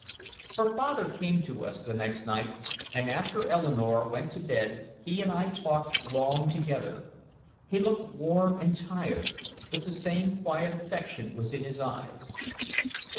Her father came to us the next night, and after Eleanore went to bed he and I talked long together. He looked worn and tired, but the same quiet affection was in his eyes.